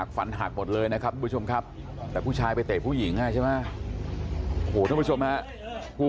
เขาก็เดินมาติดหนูที่แรกนะคะเลือดออกหู